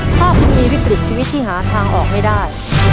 ถ้าคุณมีวิกฤตชีวิตที่หาทางออกไม่ได้